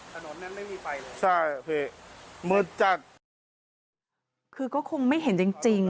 ถนนนั้นไม่มีไฟเหรอครับใช่คือก็คงไม่เห็นจริง